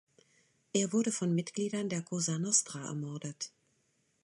Er wurde von Mitgliedern der Cosa Nostra ermordet.